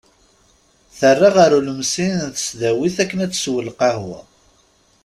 Terra ɣer ulmessi n tesdawit akken ad tessew lqahwa.